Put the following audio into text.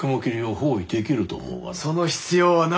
その必要はない。